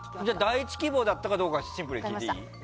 第１希望だったかどうかシンプルに聞いていいですか。